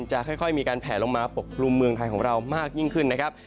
จะค่อยมีการแผลลงมาปกครุมเมืองไทยของเรามากยิ่งขึ้นนะครับ